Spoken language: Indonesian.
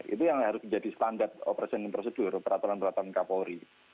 itu yang harus menjadi standar operasi prosedur peraturan peraturan kapolri